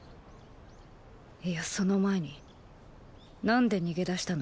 いやその前になんで逃げ出したの？